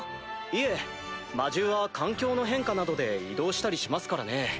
いえ魔獣は環境の変化などで移動したりしますからね。